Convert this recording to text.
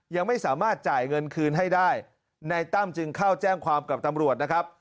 ยังไม่สามารถจ่ายเงินคืนให้ได้นายตั้มจึงเข้าแจ้งความกับตำรวจนะครับ